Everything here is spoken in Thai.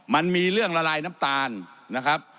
มันมีเรื่องละลายน้ำตาลนะครับ